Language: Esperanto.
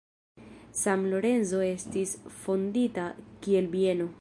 San Lorenzo estis fondita kiel bieno.